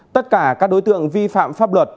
tất cả các đối tượng vi phạm pháp luật